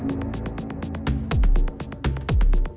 aku mau ke rumah